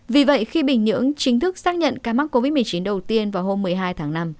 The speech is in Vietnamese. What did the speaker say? vì vậy khi bình nhưỡng chính thức xác nhận ca mắc covid một mươi chín đầu tiên vào hôm một mươi hai tháng năm